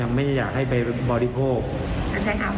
ไม่อยากให้ไปบริโภค